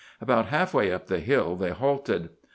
About half way up the hill they halted.